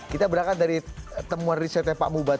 kita berangkat dari temuan risetnya pak buba tadi